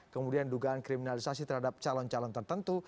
kemudian dugaan kriminalisasi terhadap calon calon tertentu